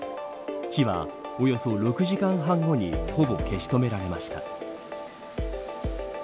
火は、およそ６時間半後にほぼ消し止められました。